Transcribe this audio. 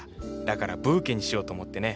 だからブーケにしようと思ってね。